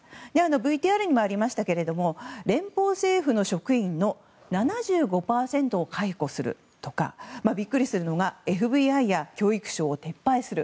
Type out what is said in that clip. ＶＴＲにもありましたけれども連邦政府の職員の７５％を解雇するとかビックリするのがＦＢＩや教育省を撤廃する。